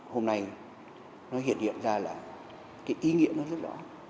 hôm nay nó hiện hiện ra là cái ý nghĩa nó rất rõ